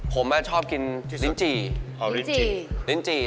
ผมอะชอบกินลินจี